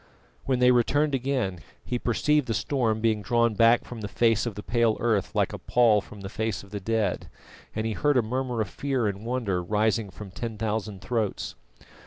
When they returned again, he perceived the storm being drawn back from the face of the pale earth like a pall from the face of the dead, and he heard a murmur of fear and wonder rising from ten thousand throats.